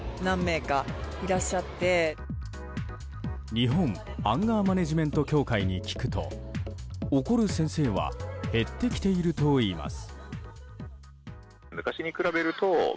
日本アンガーマネジメント協会に聞くと怒る先生は減ってきているといいます。